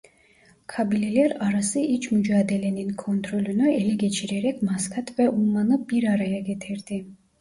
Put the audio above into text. Kabileler arası iç mücadelenin kontrolünü ele geçirerek Maskat ve Umman'ı bir araya getirdi.